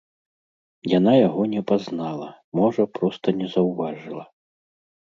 Яна яго не пазнала, можа, проста не заўважыла.